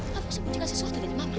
kamu sebutin kan sesuatu dari mama